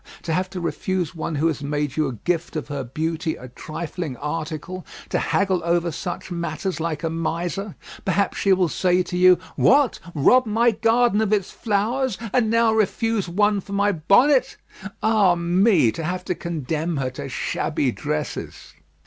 To have to refuse one who has made you a gift of her beauty a trifling article; to haggle over such matters, like a miser! Perhaps she will say to you, "What! rob my garden of its flowers, and now refuse one for my bonnet!" Ah me! to have to condemn her to shabby dresses.